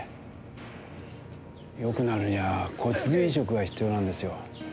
よくなるには骨髄移植が必要なんですよ。